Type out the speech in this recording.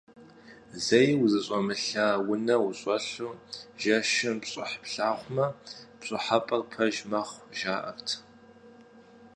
Зэи узыщӀэмылъа унэ ущӀэлъу жэщым пщӀыхь плъагъумэ, пщӀыхьэпӀэр пэж мэхъу, жаӀэрт.